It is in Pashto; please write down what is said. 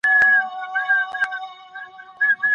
که انلاین زده کړه وي، تعلیمي انعطاف رامنځته کېږي.